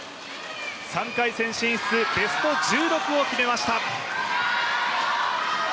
３回戦進出、ベスト１６を決めました。